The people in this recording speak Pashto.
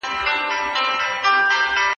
اسلام د عدل او انصاف دين دی.